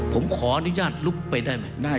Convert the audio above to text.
ผมขออนุญาตลุกไปได้ไหม